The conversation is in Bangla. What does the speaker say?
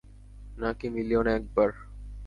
নাকি, মিলিয়নে একবার?